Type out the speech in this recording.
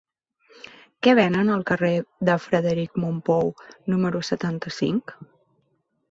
Què venen al carrer de Frederic Mompou número setanta-cinc?